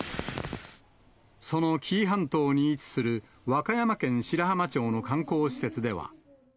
その紀伊半島に位置する和歌山県白浜町の観光施設では。